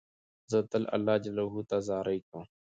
زه تل الله جل جلاله ته زارۍ کوم.